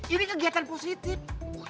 ini kegiatan positif